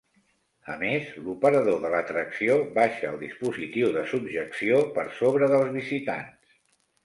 A més, l'operador de l'atracció baixa el dispositiu de subjecció per sobre dels visitants.